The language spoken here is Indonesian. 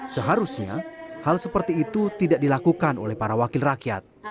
seharusnya hal seperti itu tidak dilakukan oleh para wakil rakyat